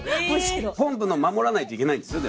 本部の守らないといけないんですよ？